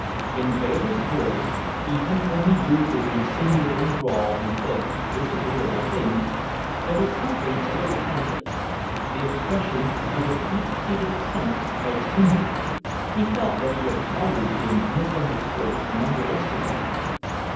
In Bayliss' voice, even when he used his insinuating drawl and said disagreeable things, there was something a little plaintive; the expression of a deep seated sense of injury. He felt that he had always been misunderstood and underestimated.